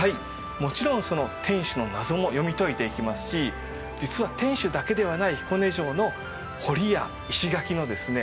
もちろんその天守の謎も読み解いていきますし実は天守だけではない彦根城の堀や石垣のですね